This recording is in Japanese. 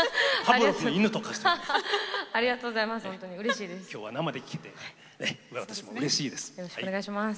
うれしいです。